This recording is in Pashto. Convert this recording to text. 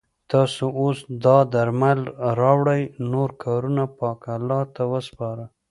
تاسو اوس دا درمل راوړئ نور کارونه پاک الله ته وسپاره.